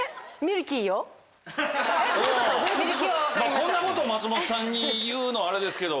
こんなこと松本さんに言うのあれですけど。